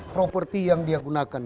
properti yang dia gunakan